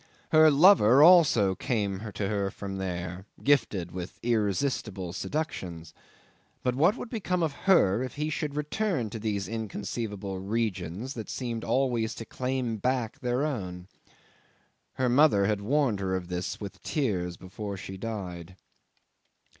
Her lover also came to her from there, gifted with irresistible seductions; but what would become of her if he should return to these inconceivable regions that seemed always to claim back their own? Her mother had warned her of this with tears, before she died